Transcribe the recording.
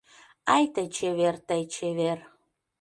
Ай, тый чевер, тый чевер